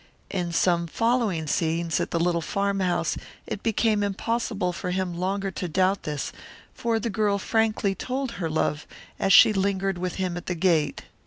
In some following scenes at the little farmhouse it became impossible for him longer to doubt this, for the girl frankly told her love as she lingered with him at the gate.